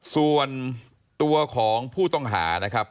ส่วนตัวของผู้ต้องหานะครับ